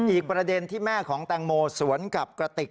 อีกประเด็นที่แม่ของแตงโมสวนกับกระติก